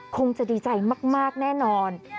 คงจะดีใจมากแน่นอน